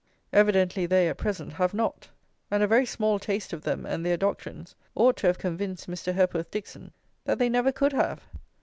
Evidently they, at present, have not; and a very small taste of them and their doctrines ought to have convinced Mr. Hepworth Dixon that they never could have.